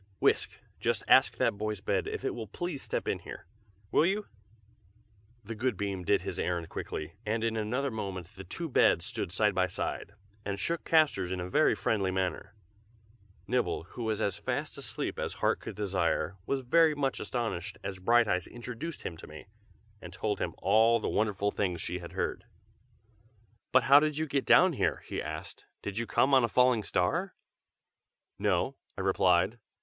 Whisk, just ask that boy's bed if it will please step in here, will you?" The good beam did his errand quickly, and in another moment the two beds stood side by side, and shook castors in a very friendly manner. Nibble, who was as fast asleep as heart could desire, was very much astonished as Brighteyes introduced him to me, and told him all the wonderful things she had heard. "But how did you get down here?" he asked. "Did you come on a falling star?" "No!" I replied.